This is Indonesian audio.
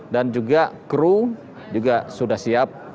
dan juga kru juga sudah siap